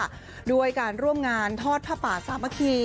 กันต่อเลยค่ะด้วยการร่วมงานทอดผ้าป่าสามัคคี